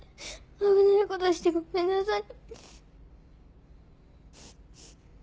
危ないことしてごめんなさい。